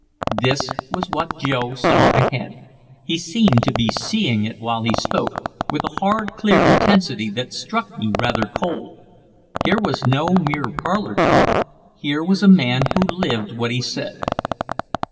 This was what Joe saw ahead. He seemed to be seeing it while he spoke, with a hard, clear intensity that struck me rather cold. Here was no mere parlor talk, here was a man who lived what he said.